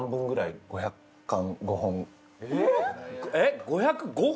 えっ５００５本？